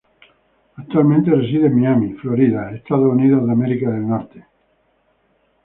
Actualmente reside en Miami, Florida Estados Unidos.